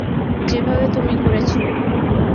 যেভাবে তুমি করেছিলে।